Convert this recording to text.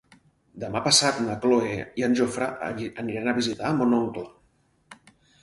Demà passat na Cloè i en Jofre aniran a visitar mon oncle.